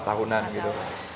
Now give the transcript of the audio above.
empat tahunan gitu